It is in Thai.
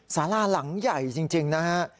สาราหลังใหญ่จริงนะฮะ